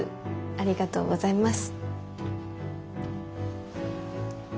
ありがとうございます。